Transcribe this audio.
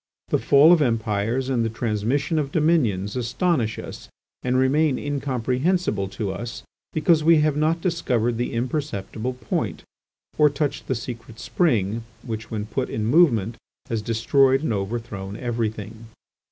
The fall of Empires and the transmission of dominions astonish us and remain incomprehensible to us, because we have not discovered the imperceptible point, or touched the secret spring which when put in movement has destroyed and overthrown everything.